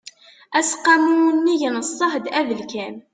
aseqqamu unnig n ṣṣehd abelkam